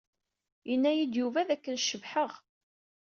Yenna-yi-d Yuba d akken cebḥeɣ.